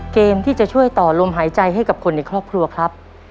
เกมที่จะช่วยต่อลมหายใจให้กับคนในครอบครัวครับ